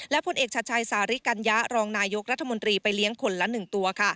ผลเอกชัดชัยสาริกัญญะรองนายกรัฐมนตรีไปเลี้ยงคนละ๑ตัว